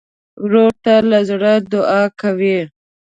ورور ته له زړه دعا کوې.